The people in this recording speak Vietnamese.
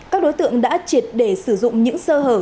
các đối tượng đã triệt để sử dụng những sơ hở